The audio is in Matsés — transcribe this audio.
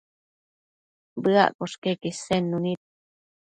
Bëaccosh queque isednu nid